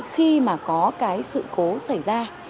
khi mà có cái sự cố xảy ra